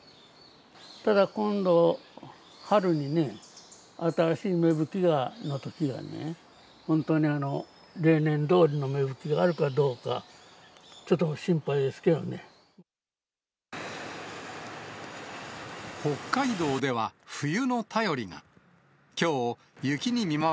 ただ、今度、春にね、新しい芽吹きのときはね、本当に例年どおりの芽吹きがあるかどう北海道では、冬の便りが。